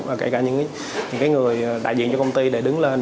và kể cả những người đại diện cho công ty để đứng lên